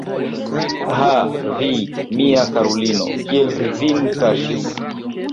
Ha, vi, mia karulino, kiel vi vin kaŝis?